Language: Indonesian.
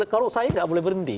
kalau saya tidak boleh berhenti